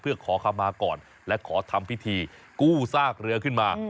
เพื่อขอคำมาก่อนและขอทำพิธีกู้ซากเรือขึ้นมา